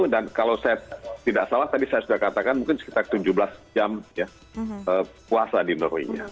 dan kalau saya tidak salah tadi saya sudah katakan mungkin sekitar tujuh belas jam ya puasa di norway